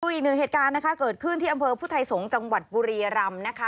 อีกหนึ่งเหตุการณ์นะคะเกิดขึ้นที่อำเภอพุทธไทยสงศ์จังหวัดบุรียรำนะคะ